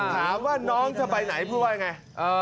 ถามว่าน้องเธอจะไปไหนคุณพยายามพูดว่าอย่างไร